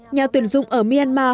nhà tuyển dụng ở myanmar